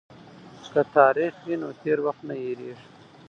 که تاریخ وي نو تیر وخت نه هیریږي.